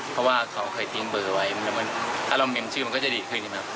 เพราะว่าเขาเคยทิ้งเบอร์ไว้ถ้ามีชื่อมันก็จะดีขึ้น